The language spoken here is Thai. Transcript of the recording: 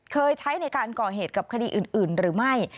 ใช้ในการก่อเหตุกับคดีอื่นหรือไม่